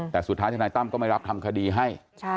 แต่สุดท้ายธนายตั้มก็ไม่รับทำคดีให้